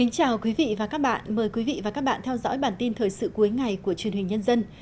chào mừng quý vị đến với bản tin thời sự cuối ngày của truyền hình nhân dân